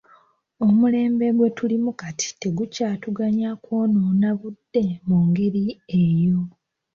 Omulembe gwe tulimu kati tegukyatuganya kwonoona budde mu ngeri eyo.